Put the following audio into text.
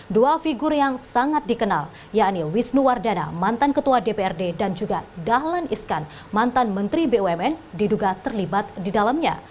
dua figur yang sangat dikenal yakni wisnu wardana mantan ketua dprd dan juga dahlan iskan mantan menteri bumn diduga terlibat di dalamnya